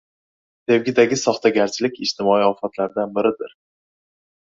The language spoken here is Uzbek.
Sevgidagi soxtagarchilik ijtimoiy ofatlardan biridir.